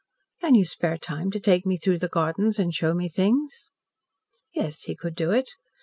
"Can you spare time to take me through the gardens and show me things?" Yes, he could do it.